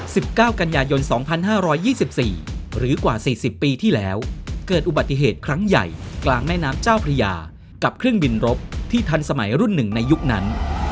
สิบเก้ากันยายนสองพันห้าร้อยยี่สิบสี่หรือกว่าสี่สิบปีที่แล้วเกิดอุบัติเหตุครั้งใหญ่กลางแม่น้ำเจ้าพระยากับเครื่องบินรบที่ทันสมัยรุ่นหนึ่งในยุคนั้น